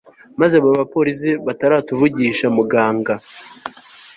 maze baba police bataratuvugisha muganga